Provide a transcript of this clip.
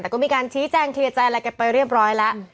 แต่ก็มีการชี้แจงเคลียร์ใจอะไรกันไปเรียบร้อยแล้ว